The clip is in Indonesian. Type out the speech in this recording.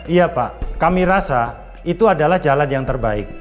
iya pak kami rasa itu adalah jalan yang terbaik